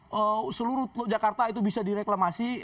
kalau seluruh teluk jakarta itu bisa direklamasi